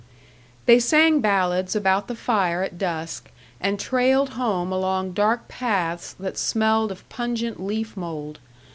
They sang ballads about the fire at dusk, and trailed home along dark paths that smelled of pungent leaf mold.